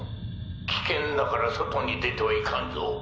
危険だから外に出てはいかんぞ。